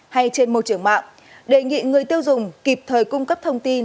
hay trên môi trường mạng đề nghị người tiêu dùng kịp thời cung cấp thông tin